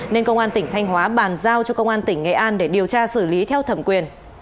nên công an tỉnh thanh hóa bàn giao cho công an tỉnh nghệ an để điều tra xử lý theo thẩm quyền